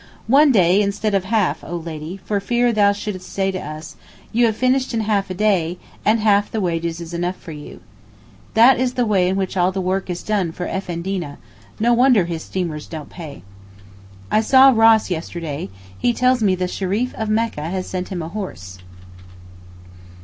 'One day instead of half, O Lady, for fear thou shouldest say to us, you have finished in half a day and half the wages is enough for you.' That is the way in which all the work is done for Effendeena—no wonder his steamers don't pay. I saw Ross yesterday—he tells me the Shereef of Mecca has sent him a horse.